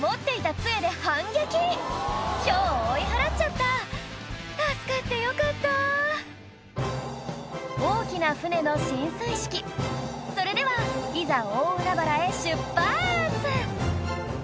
つえで反撃ヒョウを追い払っちゃった助かってよかった大きな船の進水式それではいざ大海原へ出発！